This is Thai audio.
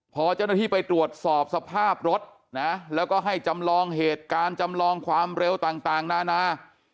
พอเจ้าหน้าที่ไปตรวจสอบสภาพรถนะแล้วก็ให้จำลองเหตุการณ์จำลองความเร็วต่างนานา